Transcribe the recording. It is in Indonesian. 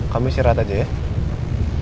kamu istirahat aja ya